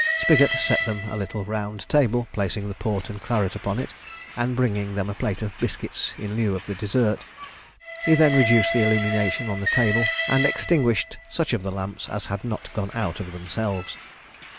Spigot set them a little round table, placing the port and claret upon it, and bringing them a plate of biscuits in lieu of the dessert. He then reduced the illumination on the table, and extinguished such of the lamps as had not gone out of themselves.